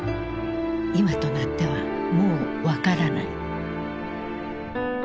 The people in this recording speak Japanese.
今となってはもう分からない。